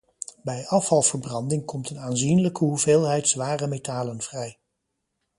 Bij afvalverbranding komt een aanzienlijke hoeveelheid zware metalen vrij.